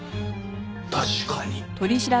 確かに。